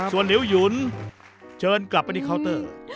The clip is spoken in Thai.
ส่วนลิวหยุนเชิญกลับไปที่เคาน์เตอร์